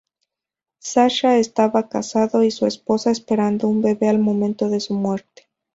Sasha estaba casado y su esposa esperando un bebe al momento de su muerte.